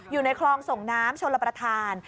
อยู่ในคลองส่งน้ำชนลประธาน